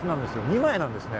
２枚なんですよね。